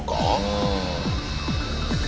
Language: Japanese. うん。